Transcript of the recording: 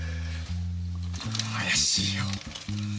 怪しいよ。